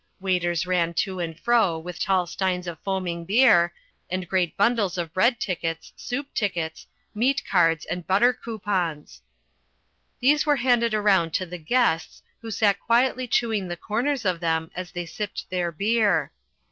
Waiters ran to and fro with tall steins of foaming beer, and great bundles of bread tickets, soup tickets, meat cards and butter coupons. These were handed around to the guests, who sat quietly chewing the corners of them as they sipped their beer.